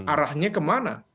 arahnya ke mana